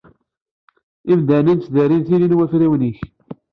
Imdanen ttdarin tili n wafriwen-ik.